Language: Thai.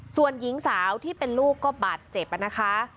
ส่วนหญิงสาวที่เป็นลูกก็บาดเจ็บนะคะ